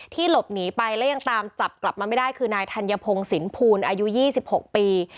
ที่หลบหนีไปและยังตามจับกลับมาไม่ได้คือนายธัญพงศ์สินภูลอายุยี่สิบหกปี